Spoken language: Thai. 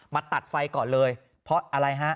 ตัดไฟก่อนเลยเพราะอะไรฮะ